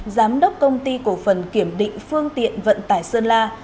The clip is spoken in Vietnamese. giám đốc công ty cổ phần kiểm định phương tiện vận tải sơn la